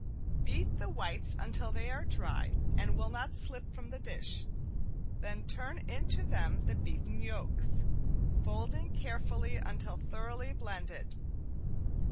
Beat the whites until they are dry and will not slip from the dish, then turn into them the beaten yolks, folding carefully until thoroughly blended.